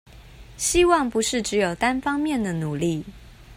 希望不是只有單方面的努力